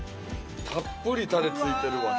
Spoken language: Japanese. たっぷりタレついてるわ。